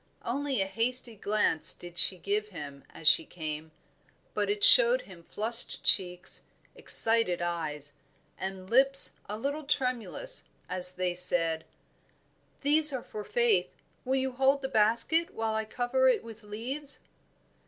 Only a hasty glance did she give him as she came, but it showed him flushed cheeks, excited eyes, and lips a little tremulous as they said "These are for Faith; will you hold the basket while I cover it with leaves?"